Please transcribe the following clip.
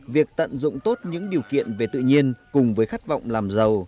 việc tận dụng tốt những điều kiện về tự nhiên cùng với khát vọng làm giàu